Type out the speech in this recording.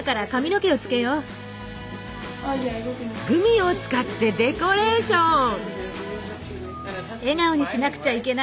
グミを使ってデコレーション！